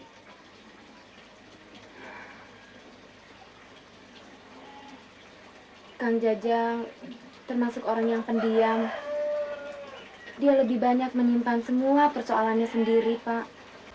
kang jajang termasuk orang yang pendiam dia lebih banyak menyimpan semua persoalannya sendiri pak